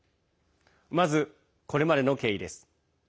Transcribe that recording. まず、これまでの経緯です。